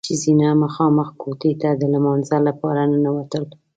ښځینه مخامخ کوټې ته د لمانځه لپاره ننوتل.